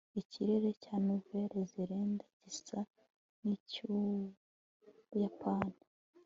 ikirere cya nouvelle-zélande gisa n'icy'ubuyapani